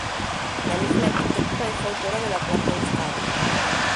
La misma arquitecta es autora de la Plaza Euskadi.